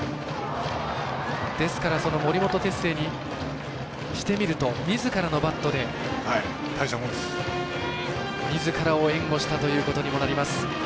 その森本哲星にしてみるとみずからのバットでみずからを援護したということにもなります。